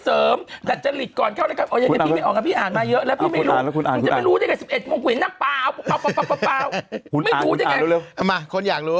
เอาง่ายมีใครได้บ้าง